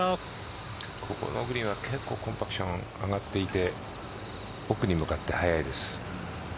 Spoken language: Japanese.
ここのグリーンは結構コンパクトに上がっていて奥に向かって速いです。